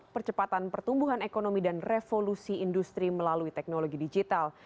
percepatan pertumbuhan ekonomi dan revolusi industri melalui teknologi digital